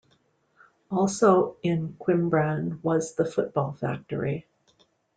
Also in Cwmbran was The Football Factory.